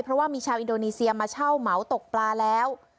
เพราะว่ามีชาวอินโดนีเซียมาเช่าเหมาตกปลาแล้ว